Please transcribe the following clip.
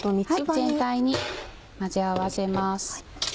全体に混ぜ合わせます。